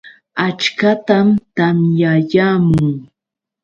Achkatam tamyayaamun.